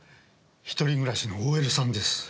一人暮らしのＯＬさんです。